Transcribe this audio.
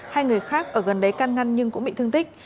hai người khác ở gần đấy căn ngăn nhưng cũng bị thương tích